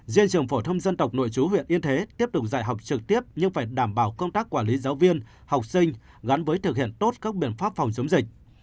riêng trường phổ thông dân tộc nội chú huyện yên thế tiếp tục dạy học trực tiếp nhưng phải đảm bảo công tác quản lý giáo viên học sinh gắn với thực hiện tốt các biện pháp phòng chống dịch